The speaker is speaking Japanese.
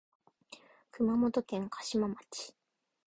熊本県嘉島町